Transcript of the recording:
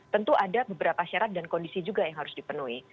tentu ada beberapa syarat dan kondisi juga yang harus dipenuhi